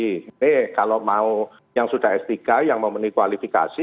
ini kalau mau yang sudah s tiga yang memenuhi kualifikasi